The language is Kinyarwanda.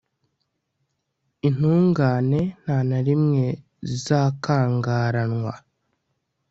intungane nta na rimwe zizakangaranywa